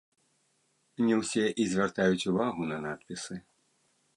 Не ўсе і звяртаюць увагу на надпісы.